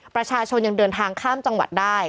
ประชาชนยังเดินทางข้ามจังหวัดได้